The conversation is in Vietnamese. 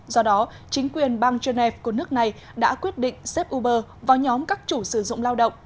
do đó chính quyền bang genève của nước này đã quyết định xếp uber vào nhóm các chủ sử dụng lao động